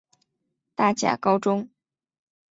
大甲高中